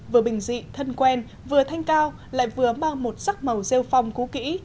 vừa bình dị thân quen vừa thanh cao lại vừa mang một sắc màu rêu phong cú kỹ